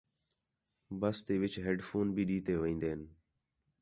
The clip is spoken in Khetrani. بس تی وِچ ہِیڈ فون بھی ݙِتّے وین٘دے ہین